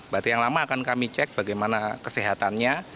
batik yang lama akan kami cek bagaimana kesehatannya